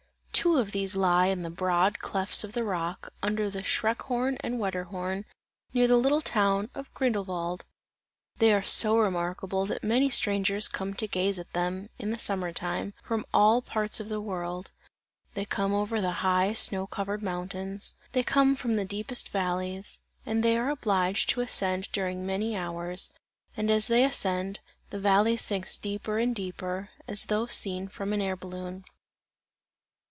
Two of these lie in the broad clefts of the rock, under the Schreckhorn and Wetterhorn, near the little town of Grindelwald. They are so remarkable that many strangers come to gaze at them, in the summer time, from all parts of the world; they come over the high snow covered mountains, they come from the deepest valleys, and they are obliged to ascend during many hours, and as they ascend, the valley sinks deeper and deeper, as though seen from an air balloon.